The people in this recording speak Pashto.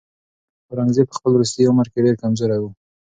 اورنګزېب په خپل وروستي عمر کې ډېر کمزوری و.